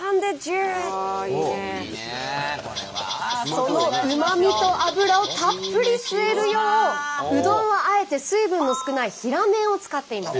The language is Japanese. そのうまみと脂をたっぷり吸えるよううどんはあえて水分の少ない平麺を使っています。